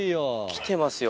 きてますよ